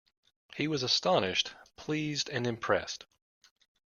He was astonished, pleased and impressed.